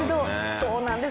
そうなんです。